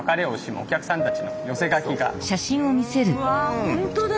うわ本当だ。